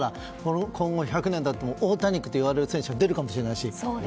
今後１００年経ってもオオタニックと言われる選手が出るかもしれないし。